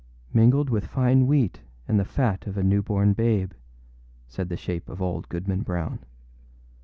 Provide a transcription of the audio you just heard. â âMingled with fine wheat and the fat of a new born babe,â said the shape of old Goodman Brown.